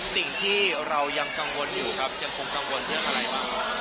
สิ่งที่เรายังกังวลอยู่ครับยังคงกังวลเรื่องอะไรบ้างครับ